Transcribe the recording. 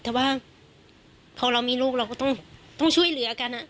แต่ว่าพอเรามีลูกเราก็ต้องช่วยเหลือกัน